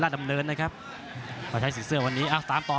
โหโหโหโหโหโหโหโหโหโหโหโห